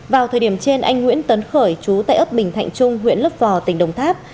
vào thời điểm trên anh nguyễn tấn khởi chú tại ấp bình thạnh trung huyện lấp vò tỉnh đồng tháp